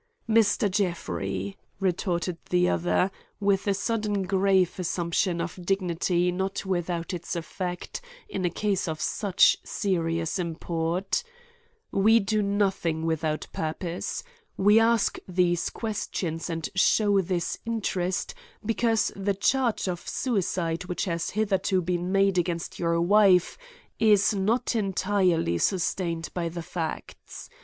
"Mr. Jeffrey," retorted the other, with a sudden grave assumption of dignity not without its effect in a case of such serious import, "we do nothing without purpose. We ask these questions and show this interest because the charge of suicide which has hitherto been made against your wife is not entirely sustained by the facts.